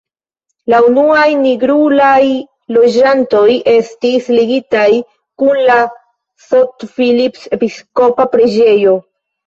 La unuaj nigrulaj loĝantoj estis ligitaj kun la St.-Philips-Episkopa-Preĝejo.